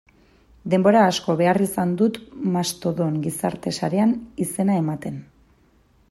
Denbora asko behar izan dut Mastodon gizarte sarean izena ematen.